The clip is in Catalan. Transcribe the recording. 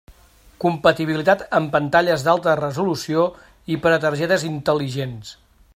Compatibilitat amb pantalles d'alta resolució i per a targetes intel·ligents.